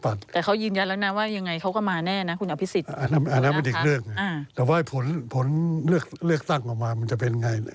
อันนั้นเป็นอีกเรื่องแต่ว่าผลเลือกตั้งออกมามันจะเป็นยังไง